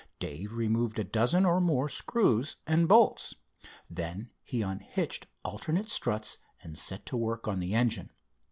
Dave removed a dozen or more screws and bolts. Then he unhinged alternate struts and set to work on the engine.